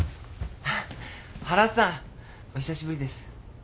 原さんお久しぶりです。